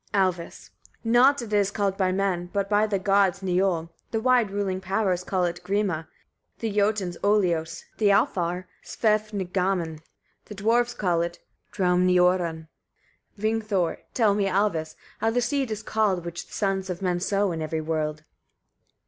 Alvis. 31. Nott it is called by men, but by the gods niol; the wide ruling powers call it grima, the Jotuns olios, the Alfar svefngaman; the Dwarfs call it draumniorunn. Vingthor. 32. Tell me, Alvis! etc., how the seed is called, which the sons of men sow in every world.